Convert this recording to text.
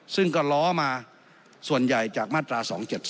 ซึ่งก็ล้อมาส่วนใหญ่จากมาตรา๒๗๒